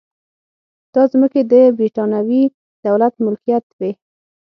دا ځمکې د برېټانوي دولت ملکیت وې.